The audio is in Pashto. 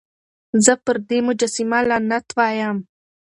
زه پر دې مجسمه لعنت وايم.